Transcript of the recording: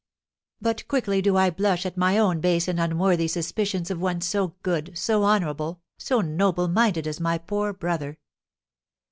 But quickly do I blush at my own base and unworthy suspicions of one so good, so honourable, so noble minded as my poor brother!